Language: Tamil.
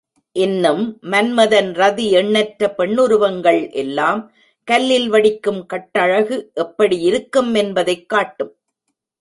இன்னும் மன்மதன், ரதி, எண்ணற்ற பெண்ணுருவங்கள் எல்லாம் கல்லில் வடிக்கும் கட்டழகு எப்படி இருக்கும் என்பதைக் காட்டும்.